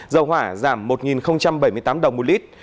dầu hỏa giảm một bảy mươi tám đồng một lít